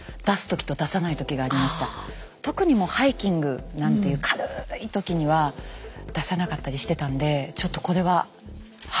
特にハイキングなんていう軽い時には出さなかったりしてたんでちょっとこれはハッとしました。